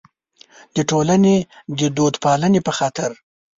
د ټولنې د دودپالنې په خاطر.